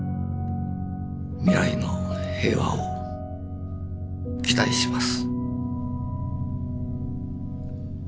未来の平和を期待します」。